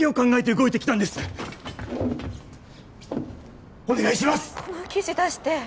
この記事出して